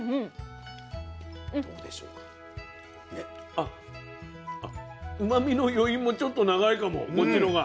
あっうまみの余韻もちょっと長いかもこっちのほうが。